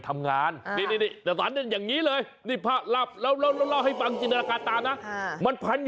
มันทาน้ำมันมะพราวมาเลย